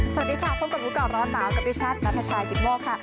สวัสดีค่ะพบกับลูกก่อนร้อนเบากับพิชัตริ์ณพชายกิทโมกค่ะ